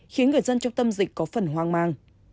khiến người dân trong tâm dịch có phần hoang mang